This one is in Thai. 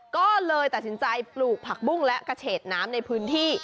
ก็เลยตัดสินใจปลูกผักบุ้งและกระเฉดน้ำในพื้นที่